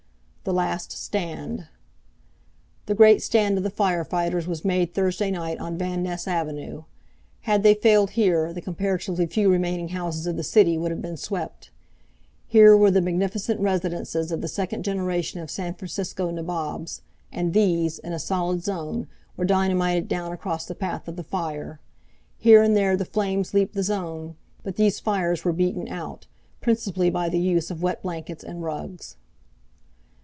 The Last Stand The great stand of the fire fighters was made Thursday night on Van Ness Avenue. Had they failed here, the comparatively few remaining houses of the city would have been swept. Here were the magnificent residences of the second generation of San Francisco nabobs, and these, in a solid zone, were dynamited down across the path of the fire. Here and there the flames leaped the zone, but these fires were beaten out, principally by the use of wet blankets and rugs.